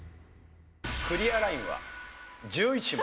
クリアラインは１１問。